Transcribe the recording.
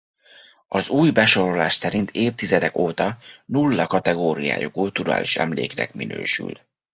Az új besorolás szerint évtizedek óta nulla kategóriájú kulturális emléknek minősül.